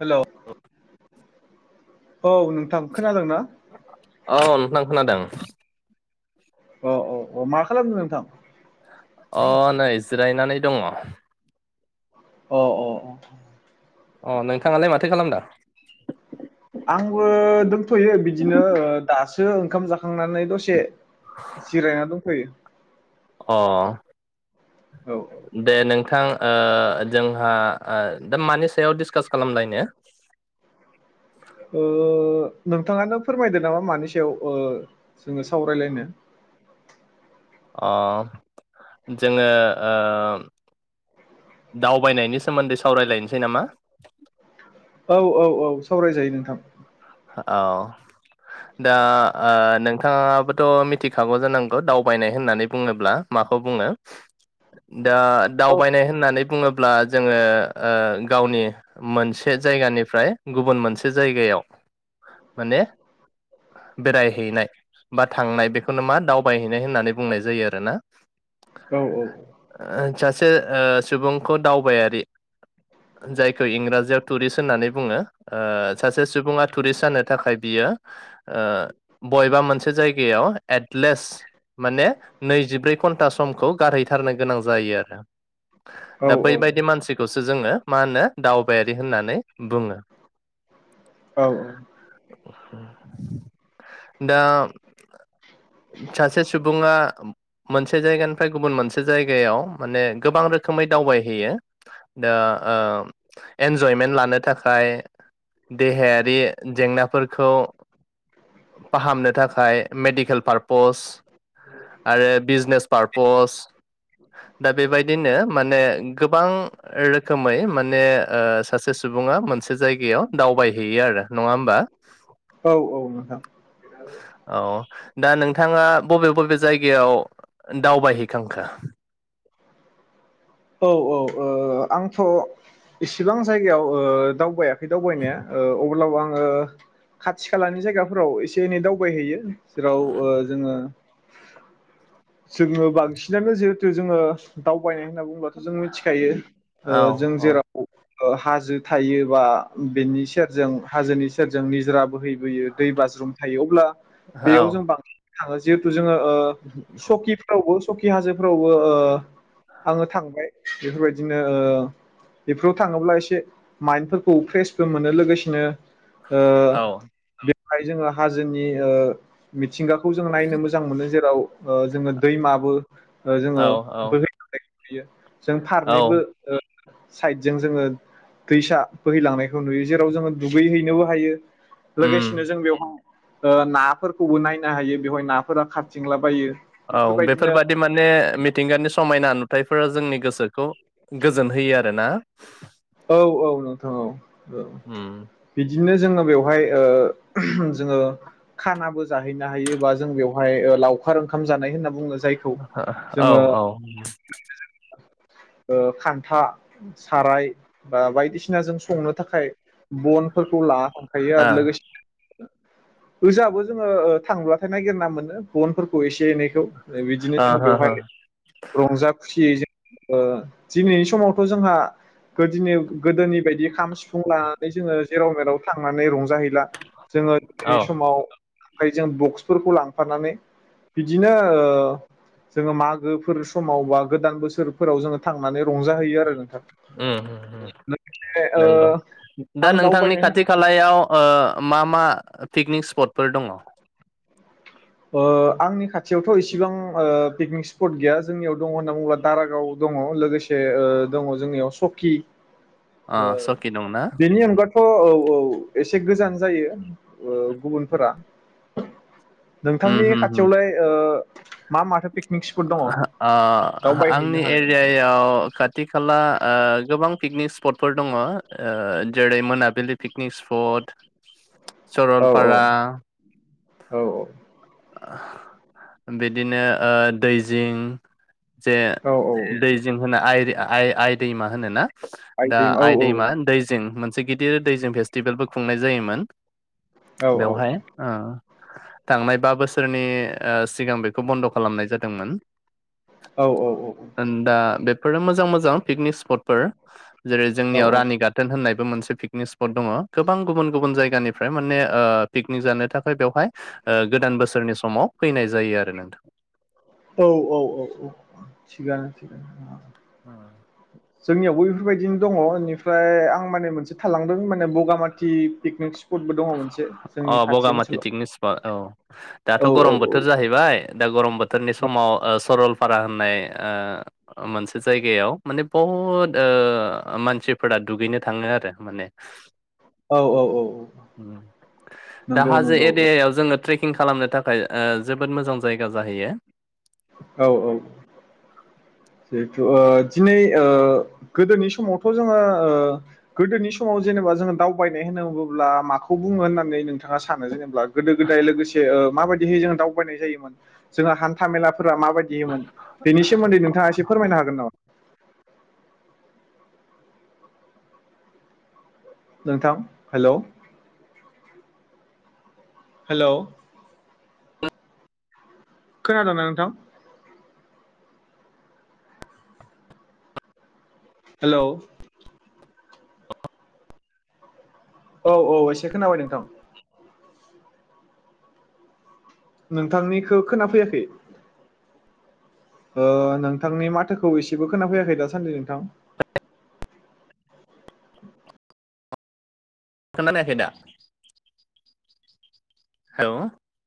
Hello औ नों थां खोनादोंना? औ नोंथां खोनादों अ औ अ मा खालामदों नोंथां? अ नै जिरायनानै दङ। अ अ अ अ नोंथाङालाय माथो खालामदों? आंबो दोंथयो बिदिनो ओ दासो ओंखाम जाखांनानै दसे जिरायना दंथयो। अ औ दे नोंथां। ओ जोंहा ओ दा मानि सायाव डिसकास खालामलायनो? ओ नोंथाङानो फोरमायदो नामा मानि सायाव ओ जोङो सावरायलायनो। अ जोङो ओ दावबायनायनि सोमोन्दै सावरायलायनसै नामा? औ औ औ सावरायजायो नोंथां। औ दा ओ नोंथाङाबोथ मिथिखागौ जानांगौ दावबायनाय होननानै बुङोब्ला माखौ बुङो? दा औ दावबायनाय होननानै बुङोब्ला जोङो ओ गावनि मोनसे जायगानिफ्राय गुबुन मोनसे जायगायाव माने बेरायहैनाय बा थांनाय बेखौनो मा दावबायहैनाय होननानै बुंनाय जायो आरो ना औ औ सो ओ सुबुंखौ दावबायारि जायखौ इंराजियाव टुरिस्ट होननानै बुङो ओ सासे सुबुङा टुरिस्ट जानो थाखाय बियो ओ बबेबा मोनसे जायगायाव एटलिस्ट माने नैजिब्रै घन्टा समखौ गारहैथारनो गोनां जायो आरो औ दा बैबायदि मानसिखौसो जोङो मा होनो दावबायारि होननानै बुङो। औ औ दा सासे सुंबुङा मोनसे जायगानिफ्राय गुबुन मोनसे जायगायाव माने गोबां रोखोमै दावबायहैयो दा ओ एन्जयमेन्ट लानो थाखाय देहा रि जेंनाफोरखौ फाहामनो थाखाय मेडिकेल पार्पस आरो बिजनेस पारपस दा बेबायदिनो माने गोबां रोखोमै माने सासे ओ सुबुङा मोनसे जायगायाव दावबायहैयो आरो। नङा होमबा? औ औ नोंथा। औ दा नोंथाङा बबे बबे जायगायाव दावबायहैखांखो औ औ ओ आंथ' इसिबां जायगायाव ओ दावबायाखै दावबायनाया ओ अब्लाबो आङो खाथि खालानि जायगाफोराव एसे एनै दावबायहैयो जेराव ओ जोङो जोङो बांसिनानो जिहेथु जोङो दावबायनाय होनना बुङ। ' जों मिथिखायो औ ओ जों औ जेराव ओ हाजो थायोबा बेनि सेरजों हाजोनि सेरजों निजरा बोहैबोयो दै बाज्रुम थायो अब्ला। औ बेयाव जों बां औ जिहेथु जोंङो ओ सकि फोरावबो सकि हाजोफ्रावबो ओ आङो थांबाय। बेफोरबायदिनो ओ बेफोराव थाङोब्ला एसे माइन्न्दफोरखौ फ्रेसबो मोनो लोगोसेनो। ओ औ बे फाय जोङो हाजोनि ओ मि थिंगाखौ जों नायनो मोजां मोनो जेराव ओ जोङो दैमाबो ओ जोङो औ बोहै बैयो जों औ फारनैबो ओ साइदजों जोङो दैसा बोहैलांनायखौ नुयो जेराव जोङो दुगैहैनोबो हायो। उम लोगोसेनो जों बेवहाय ओ नाफोरखौबो नायनो हायो बेवहाय नाफोरा खारथिंलाबायो। औ बेफोरबायदिनो बेफोरबादि माने मिथिंगानि समायना। नुथायफोरा जोंनि गोसोखौ गोजोन होयो आरोना । औ औ औ उम बिदि बिदिनो जोङो बेवहाय जोङो खानाबो जाहैनो हायो बा जों बेवहाय लावखार ओंखाम जानाय होनना बुंनो औ औ ओ खान्था साराय आ बा बायदि सिना जों संनो थाखाय बनफोर लाखांखायो आरो लोगोसे ओजाबो जोङो थांब्लाथाय नागिरना मोनो बनफोरखौ एसे थे एनैखौ बिदिनो ओ जों हो हो बेवहाय रंजा खुसियै जों आ दिनैनि समावथ' जोंहा गोदिनिव गोदोनि बायदि खाम, सिफुं लाना नै जोङो जेराव मेराव थांनानै रंजानो जाहैला जोङो औ दिनैनि समाव फाय जों बक्सफोरखौ लांफानानै बिदिनो ओ जोङो मागोफोर समाव बा गोदान बोसोरफोराव जोङो थांनानै रंजाहैयो आरो नोंथां उम उम लोगोसे नंगौ ओ दा आं नोंथांनि दावबायनाय होनना खाथि खालायाव आ मा मा पिकनिक स्पटफोर दङ? ओ आंनि खाथियावथ' इसिबां ओ पिकनिक स्पट गैया जोंनियाव दङ होनना बुङोब्ला दारागाव दङ लोगोसे ओ दङ जोंनियाव सकि आ सकि दंना बेनि अनगा थ' औ औ एसे गोजान जायो गुबुनफोरा उम नोंथांनि हम हम खाथियावलाय ओ मा माथो पिकनिक स्पट दङ दावबायहैनो आ-आंनि हानाय एरियायाव खाथि-खाला ओ गोबां पिकनिक स्पटफोर दङ ओ जेरै मोनाबिलि पिकनिक स्पट औ सरलपारा औ औ आ बिदिनो ओ दैजिं जे औ औ दै जों होनो आइरे आइ आइ दैमा होनोना दा बायदि औ आइ दैमा दैजिं मोन से गिदिर दैंजि फेस्टिभेलबो खुंनाय जायोमोन। औ बेवहाय ओं थांनाय बा बोसोरनि सिगां बेखौ बन्द' खालामनाय जादोंमोन। औ दा बे फोर मोजां मोजां पिकनिक स्पटफोर जेरै जोंनियाव रानि गाथोन होननाय मोनसे पिकनिक स्पद दङ गोबां गुबुन गुबुन जायगानिफ्राइ माने पिकनिक जानो थाखाय फाय बेयावहाय ओ गोदान बोसोरनि समाव फैनाय जायो आरो नोंथां औ औ औ थिखगायानो ओ जोंनियाव बेफोरबायदिनो दङ बेनिफ्राय आं माने मोनसे थालांदों माने बगामाथि पिकनिक स्पटबो दङ मोनसे जोंनि अ खाथि बगामाथि ओनसोलाव पिकनिक स्पट औ दाथ' औ औ गरम बोथोर जाहैबाय दा गरम बोथोरनि समाव ओ सरलपारा होननाय ओ मोनसे जायगायाव माने बहुद ओ मानसिफोरा दुगैनो थाङो आरो माने औ औ औ दा नंगौ हाजों नंगौ औ एरियायाव‌ जोंङो ट्रेकिं खालामनो थाखाय ओ जोबोद मोजां जायगा जाहैयो औ औ जिहेथु ओ दिनै ओ गोदोनि समावथ' जोङो ओ गोदोनि समाव जेनेबा जोङो दावबायनाय होनना बुब्ला माखौ बुङो होननानै नोंथाङा सानो जेनेबा गोदो गोदाय लोगोसे ओ माबायदि जिहि जों दावबायनाय जायोमोन जों हान्था मेला फोरा माबाययोदिमोन बेनि सोमोन्दै नोंथाङा ए से फोरमायनो हागोन नामा? नोंथां हेलौ हेलौ खोनादोंना नोंथां हेलौ औ औ‌ एसे खोनाबाय नोंथां नोंथांनिखौ खोना फैयाखै ओ नोंथांनि माथो खौ एसेबो ख़नाफैयाखै दा सान्द्रि नोंथां खोनानायाखैदा हेलौ